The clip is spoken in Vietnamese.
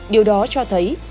điều đó cho thấy